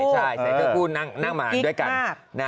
ใช่ใส่เสื้อคู่นั่งมาด้วยกัน